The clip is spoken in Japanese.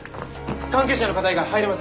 関係者の方以外入れません。